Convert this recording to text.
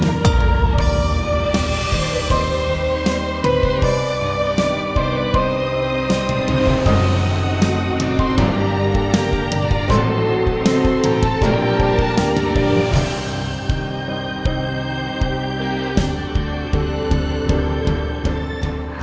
saya akan lakukan